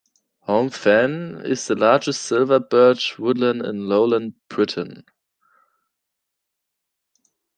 Holme Fen is the largest Silver birch woodland in lowland Britain.